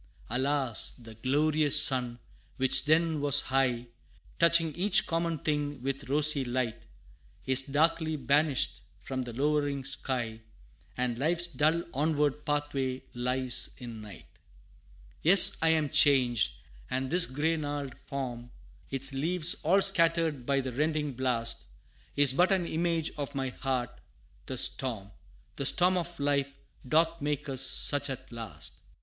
Alas! the glorious sun, which then was high, Touching each common thing with rosy light, Is darkly banished from the lowering sky And life's dull onward pathway lies, in night. Yes I am changed and this gray gnarled form, Its leaves all scattered by the rending blast, Is but an image of my heart; the storm The storm of life, doth make us such at last!